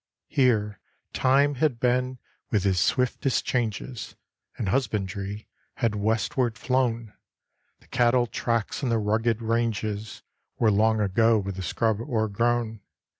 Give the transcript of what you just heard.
Here Time had been with his swiftest changes, And husbandry had westward flown; The cattle tracks in the rugged ranges Were long ago with the scrub o'ergrown.